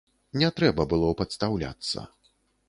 Не трэба было падстаўляцца.